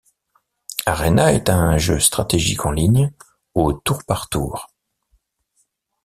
Arena est un jeu stratégique en ligne au tour par tour.